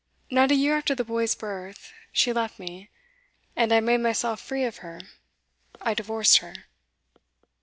Not a year after the boy's birth, she left me. And I made myself free of her I divorced her.